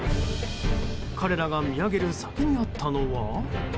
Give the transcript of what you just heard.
彼らが見上げる先にあったのは。